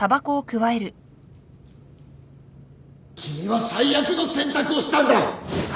君は最悪の選択をしたんだ！